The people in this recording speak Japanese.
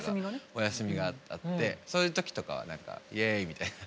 お休みがあってそういう時とかはイエイみたいな。